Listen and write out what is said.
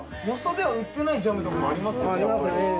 よそでは売ってないジャムとかもありますよね？